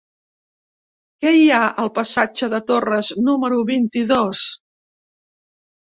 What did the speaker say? Què hi ha al passatge de Torres número vint-i-dos?